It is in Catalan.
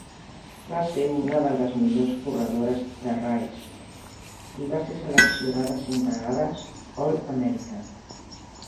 Va ser una de les millors corredores de Rice i va ser seleccionada cinc vegades "All America".